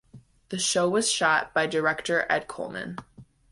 The show was shot by director Ed Coleman.